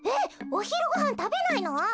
おひるごはんたべないの？